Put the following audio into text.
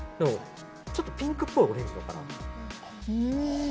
ちょっとピンクっぽいオレンジのカラーです。